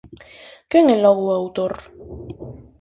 Quen é logo o autor?